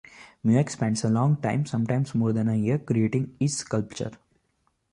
Mueck spends a long time, sometimes more than a year, creating each sculpture.